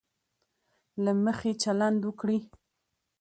له مخي چلند وکړي.